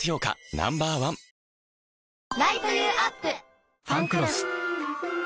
ＮＯ．１「ファンクロス」